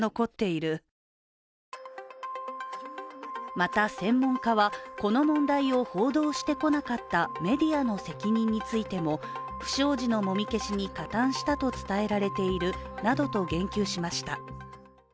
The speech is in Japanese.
また専門家は、この問題を報道してこなかったメディアの責任についても不祥事のもみ消しに加担したと伝えられているなどと言及しました。